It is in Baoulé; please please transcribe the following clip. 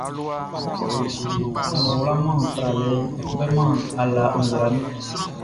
Sran ngʼɔ wlaman tralɛʼn, ɔ kpêman ala nzra nun.